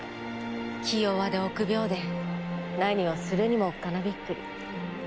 気弱で臆病で何をするにもおっかなびっくり。